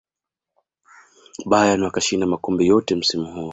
bayern wakashinda makombe yote msimu huo